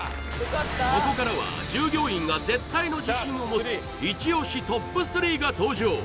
ここからは従業員が絶対の自信を持つイチ押しＴＯＰ３が登場